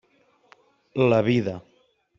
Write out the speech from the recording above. La vida.